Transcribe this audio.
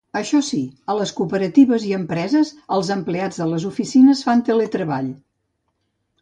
Això sí, a les cooperatives i empreses els empleats de les oficines fan teletreball.